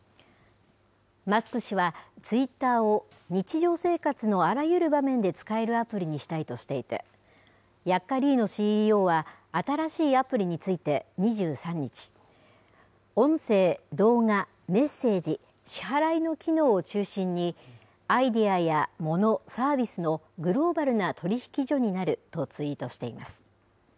マスク氏は、ツイッターを日常生活のあらゆる場面で使えるアプリにしたいとしていて、ヤッカリーノＣＥＯは新しいアプリについて２３日、音声、動画、メッセージ、支払いの機能を中心に、アイデアやもの、サービスのグローバルな取引所になるとツイートしています。